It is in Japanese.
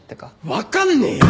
わかんねえよ！